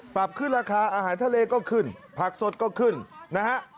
ปรับขึ้นราคาอาหารทะเลก็ขึ้นผักสดก็ขึ้นนะฮะ